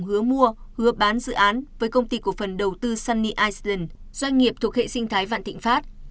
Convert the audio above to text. hứa mua hứa bán dự án với công ty của phần đầu tư sunny iceland doanh nghiệp thuộc hệ sinh thái văn thịnh pháp